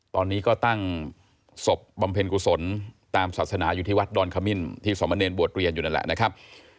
ตอนนี้ก็ตั้งศพบำเพ็ญกุศลตามศาสนาอยู่ที่วัดดอนขมิ้นที่สมเนรบวชเรียนอยู่นั่นแหละนะครับ